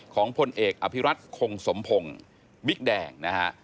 ของพลเอกอภิรัตน์ขงสมพงศ์วิกแดงนะฮะ